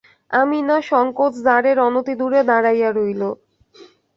আমিনা সসংকোচে দ্বারের অনতিদূরে দাঁড়াইয়া রহিল।